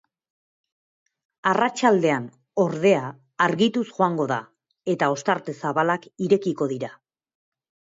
Arratsaldean, ordea, argituz joango da, eta ostarte zabalak irekiko dira.